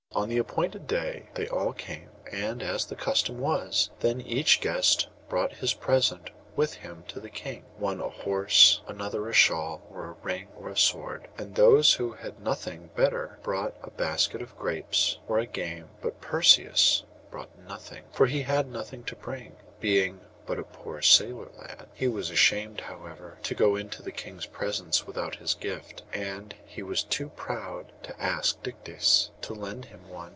On the appointed day they all came; and as the custom was then, each guest brought his present with him to the king: one a horse, another a shawl, or a ring, or a sword; and those who had nothing better brought a basket of grapes, or of game; but Perseus brought nothing, for he had nothing to bring, being but a poor sailor lad. He was ashamed, however, to go into the king's presence without his gift; and he was too proud to ask Dictys to lend him one.